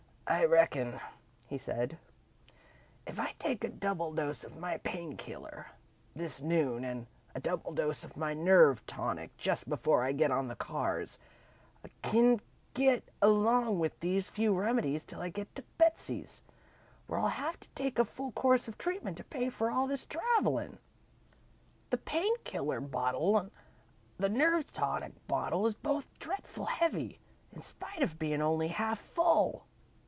"I reckon," he said, "if I take a double dose of my pain killer, this noon, an' a double dose of my nerve tonic just before I get on the cars, I c'n get along with these few remedies till I get to Betsey's, where I'll have to take a full course of treatment to pay for all this travellin'. The pain killer bottle an' the nerve tonic bottle is both dretful heavy, in spite of bein' only half full."